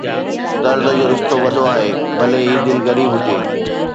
درد جو رشتو وڏو آهي، ڀلي هي دل غريب هجي